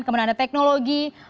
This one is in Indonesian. kemudian ada teknologi